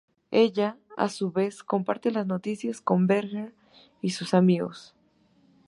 Ella a su vez comparte las noticias con Berger y sus amigos.